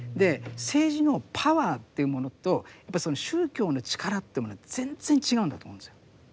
政治のパワーというものとやっぱりその宗教の力というものは全然違うんだと思うんですよ。